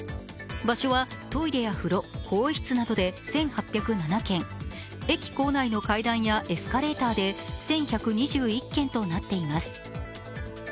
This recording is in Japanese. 場所はトイレや風呂、更衣室などで１８０７件、駅構内の階段やエスカレーターで１１２１件となっています。